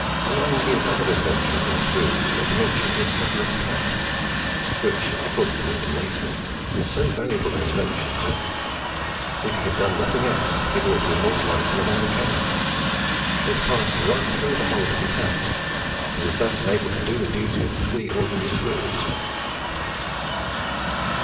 Among his other inventions in screws may be mentioned his headless tap, which, according to Mr. Nasmyth, is so valuable an invention, that, "if he had done nothing else, it ought to immortalize him among mechanics. It passed right through the hole to be tapped, and was thus enabled to do the duty of three ordinary screws."